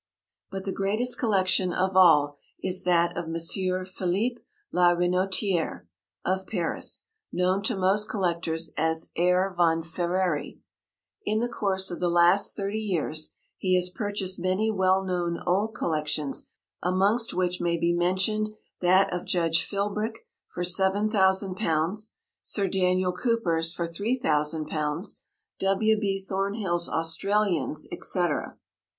But the greatest collection of all is that of M. Philipp la Renotiérè, of Paris, known to most collectors as Herr von Ferrary. In the course of the last thirty years he has purchased many well known old collections, amongst which may be mentioned that of Judge Philbrick for £7,000, Sir Daniel Cooper's for £3,000, W. B. Thornhill's Australians, etc. M.